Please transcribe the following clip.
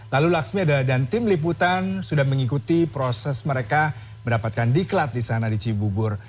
lalu laksmi dan tim liputan sudah mengikuti proses mereka mendapatkan diklat di sana di cibubur